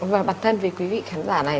và bản thân về quý vị khán giả này